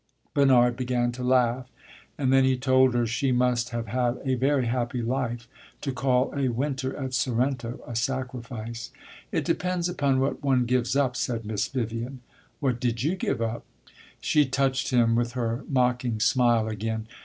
Bernard began to laugh, and then he told her she must have had a very happy life "to call a winter at Sorrento a sacrifice." "It depends upon what one gives up," said Miss Vivian. "What did you give up?" She touched him with her mocking smile again.